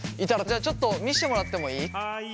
じゃあちょっと見してもらってもいい？